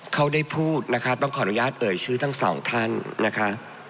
เขาได้พูดนะคะต้องขออนุญาตเอ่ยชื่อทั้งสองท่านนะคะ